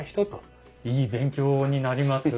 いい勉強になります。